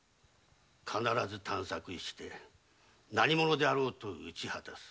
必ず探索して何者であろうとも討ち果たす。